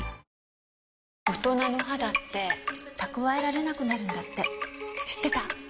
大人の肌って蓄えられなくなるんだって知ってた？